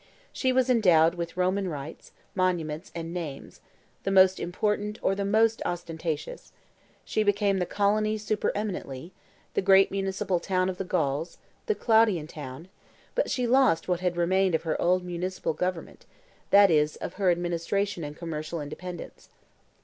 She was endowed with Roman rights, monuments, and names, the most important or the most ostentatious; she became the colony supereminently, the great municipal town of the Gauls, the Claudian town; but she lost what had remained of her old municipal government, that is of her administrative and commercial independence.